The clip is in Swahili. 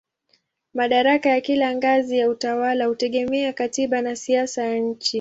Madaraka ya kila ngazi ya utawala hutegemea katiba na siasa ya nchi.